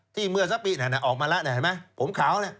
ที่เมื่อสัปดิ์ออกมาแล้วไหนผมขาวนี่